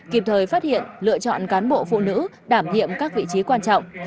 kịp thời phát hiện lựa chọn cán bộ phụ nữ đảm nhiệm các vị trí quan trọng